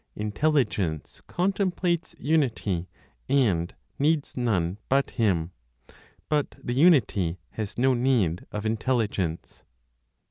Intelligence contemplates Unity, and needs none but Him; but the Unity has no need of Intelligence.